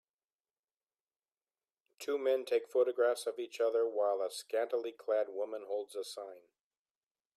Two men take photographs of each other while a scantilyclad woman holds a sign